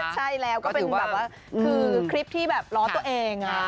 ใช่แล้วก็เป็นแบบว่าคือคลิปที่แบบล้อตัวเอง